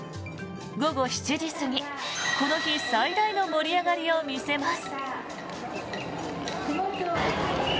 午後７時過ぎ、この日最大の盛り上がりを見せます。